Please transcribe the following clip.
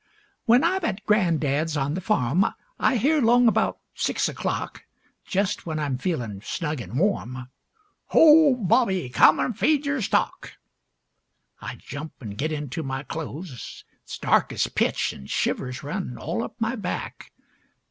When I'm at gran'dad's on the farm, I hear along 'bout six o'clock, Just when I'm feelin' snug an' warm, "Ho, Bobby, come and feed your stock." I jump an' get into my clothes; It's dark as pitch, an' shivers run All up my back.